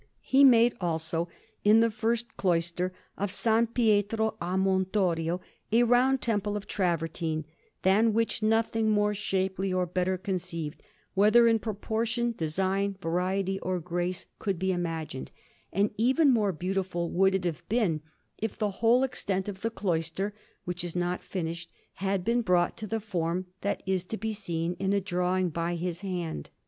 He made, also, in the first cloister of S. Pietro a Montorio, a round temple of travertine, than which nothing more shapely or better conceived, whether in proportion, design, variety, or grace, could be imagined; and even more beautiful would it have been, if the whole extent of the cloister, which is not finished, had been brought to the form that is to be seen in a drawing by his hand.